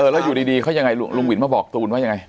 แล้วอยู่ดีเขายังไงลุงวินมาบอกตูนว่ายังไง